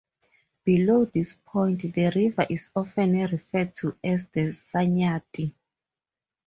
Below this point, the river is often referred to as the Sanyati.